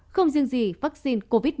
không riêng gì vaccine covid một mươi chín